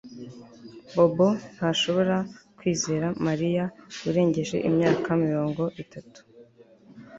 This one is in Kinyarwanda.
Bobo ntashobora kwizera Mariya urengeje imyaka mirongo itatu